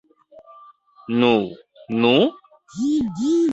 Nu, nu?